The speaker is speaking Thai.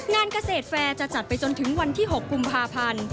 งานเกษตรแฟร์จะจัดไปจนถึงวันที่๖กุมภาพันธ์